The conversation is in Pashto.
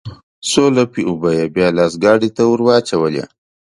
څو لپې اوبه يې بيا لاس ګاډي ته ورواچولې.